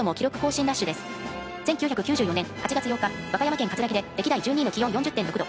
１９９４年８月８日和歌山県かつらぎで歴代１２位の気温４０．６度。